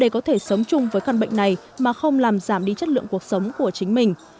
có thể sống chung với căn bệnh này mà không làm giảm đi chất lượng cuộc sống của chính mình